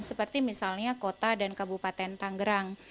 seperti misalnya kota dan kabupaten tanggerang